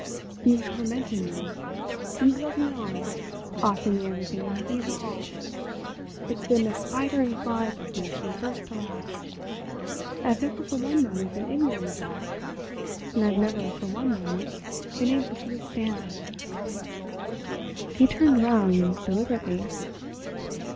You've tormented me—you've led me on—offering me everything and nothing at all. It's been a spider and fly business from first to last—and I've never for one moment been ignorant of that—and I've never for one moment been able to withstand it." He turned round deliberately.